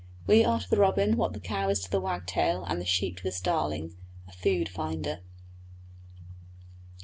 We are to the robin what the cow is to the wagtail and the sheep to the starling a food finder.